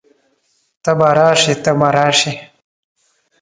ته به راشئ، ته به راشې